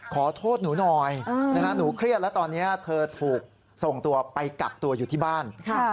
ขอโทษหนูหน่อยหนูเครียดและตอนนี้เธอถูกส่งตัวไปกักตัวอยู่ที่บ้าน